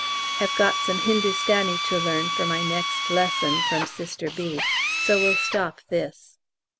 Have got some Hindustani to learn for my next lesson (from Sister B.), so will stop this.